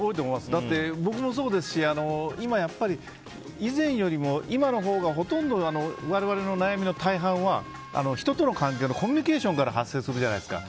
だって僕もそうですし以前よりも今のほうがほとんど我々の悩みの大半は人との関係でコミュニケーションが発生するじゃないですか。